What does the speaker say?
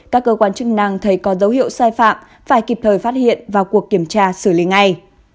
các cơ quan chức năng thấy có dấu hiệu sai phạm phải kịp thời phát hiện vào cuộc kiểm tra xử lý ngay